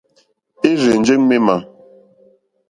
É rzènjé ŋmémà.